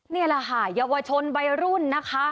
นี่ล่าครับเยาวชนวัยรุ่นนะคะ